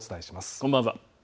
こんばんは。